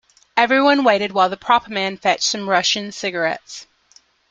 Everyone waited while the prop man fetched some Russian cigarettes.